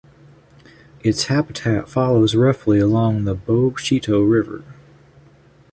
Its habitat follows roughly along the Bogue Chitto River.